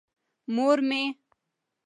مور مې.